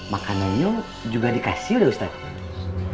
makanannya juga dikasih ustadz